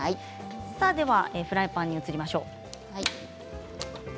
フライパンに移りましょう。